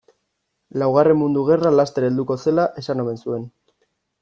Laugarren mundu gerra laster helduko zela esan omen zuen.